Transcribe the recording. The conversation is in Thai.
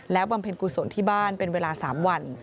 บำเพ็ญกุศลที่บ้านเป็นเวลา๓วัน